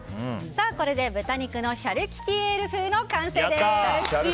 これで豚肉のシャルキュティエール風の完成です。